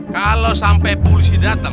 kalau sampai polisi datang